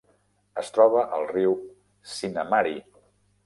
Es troba al riu Sinnamary.